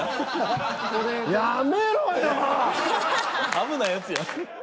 危ないやつや。